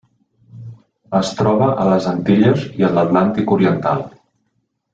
Es troba a les Antilles i a l'Atlàntic oriental.